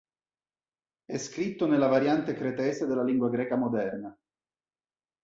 È scritto nella variante cretese della lingua greca moderna.